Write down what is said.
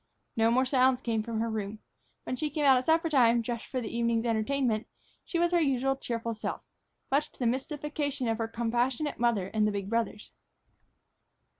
No more sounds came from her room. When she came out at suppertime, dressed for the evening's entertainment, she was her usual cheerful self, much to the mystification of her compassionate mother and the big brothers.